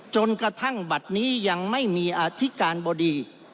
จนกระทั่งบัตรนี้ยังไม่มีอธิการบดี